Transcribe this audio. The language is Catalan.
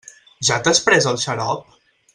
Ja t'has pres el xarop?